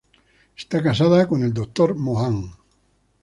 Está casada con el Dr. Mohan.